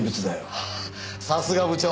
さすが部長。